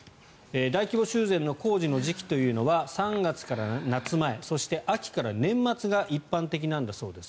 大規模修繕の工事の時期というのは３月から夏前そして秋から年末までが一般的なんだそうです。